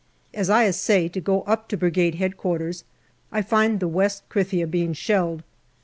As I assay to go up to Brigade H.Q. I find the West Krithia being shelled.